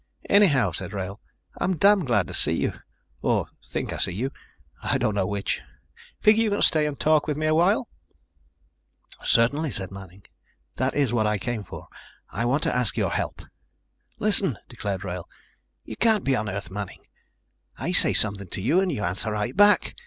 "Anyhow," said Wrail, "I'm damn glad to see you or think I see you. I don't know which. Figure you can stay and talk with me a while?" "Certainly," said Manning. "That is what I came for. I want to ask your help." "Listen," declared Wrail, "you can't be on Earth, Manning. I say something to you and you answer right back.